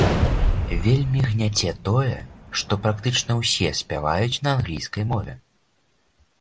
Вельмі гняце тое, што практычна ўсе спяваюць на англійскай мове.